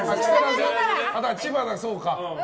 千葉だからそうか。